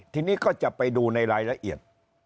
ทีนี้ก็จะไปดูในรายละเอียด